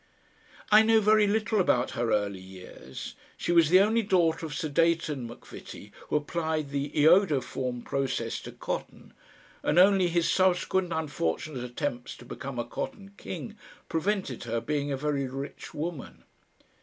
I know very little about her early years. She was the only daughter of Sir Deighton Macvitie, who applied the iodoform process to cotton, and only his subsequent unfortunate attempts to become a Cotton King prevented her being a very rich woman.